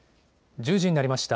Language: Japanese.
１０時になりました。